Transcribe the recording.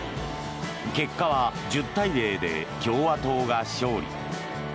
結果は１０対０で共和党が勝利。